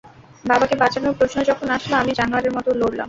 বাবাকে বাঁচানোর প্রশ্ন যখন আসলো আমি জানোয়ারের মতো লড়লাম।